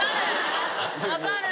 分かる。